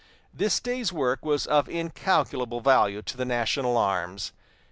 This day's work was of incalculable value to the national arms.